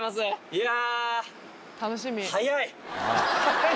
いや。